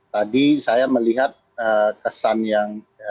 tadi saya melihat kesan yang